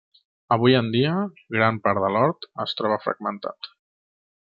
Avui en dia, gran part de l'hort es troba fragmentat.